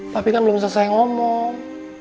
tapi kan belum selesai ngomong